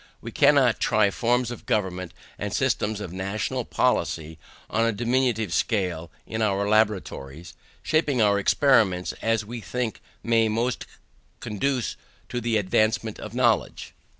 We cannot try forms of government and systems of national policy on a diminutive scale in our laboratories, shaping our experiments as we think they may most conduce to the advancement of knowledge.